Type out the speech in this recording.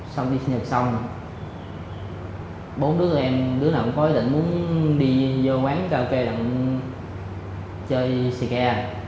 sau đi sinh nhật xong bốn đứa em đứa nào có ý định muốn đi vô quán karaoke chơi xe kè